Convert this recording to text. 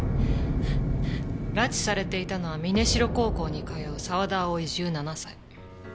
拉致されていたのは峰白高校に通う沢田葵１７歳。